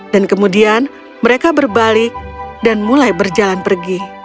dan kemudian mereka berbalik dan mulai berjalan pergi